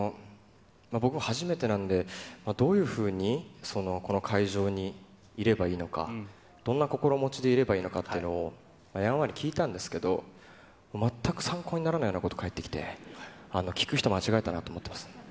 僕、初めてなんで、どういうふうにこの会場にいればいいのか、どんな心持ちでいればいいのかということをやんわり聞いたんですけど、全く参考にならないようなことが返ってきて、聞く人、間違えたなと思っています。